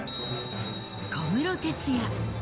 小室哲哉。